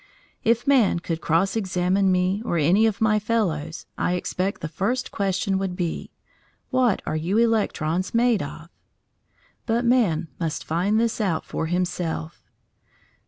If man could cross examine me or any of my fellows, I expect the first question would be What are you electrons made of? But man must find this out for himself.